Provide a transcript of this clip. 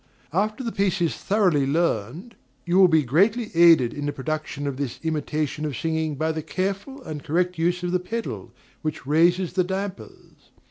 After the piece is thoroughly learned, you will be greatly aided in the production of this imitation of singing by the careful and correct use of the pedal which raises the dampers.